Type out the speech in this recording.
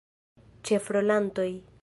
Ĉefrolantoj.